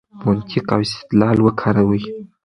منطق او استدلال وکاروئ.